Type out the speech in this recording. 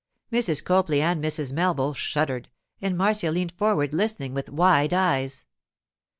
Mrs. Copley and Mrs. Melville shuddered, and Marcia leaned forward listening with wide eyes.